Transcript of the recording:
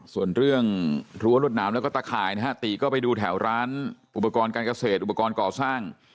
ส่วนเรื่องรั้วรวดหนามแล้วก็ตะข่ายนะฮะตีก็ไปดูแถวร้านอุปกรณ์การเกษตรอุปกรณ์ก่อสร้าง